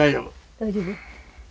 大丈夫？